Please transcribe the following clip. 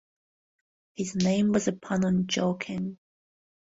His name was a pun on Joking.